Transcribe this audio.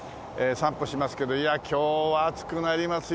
散歩しますけどいや今日は暑くなりますよ！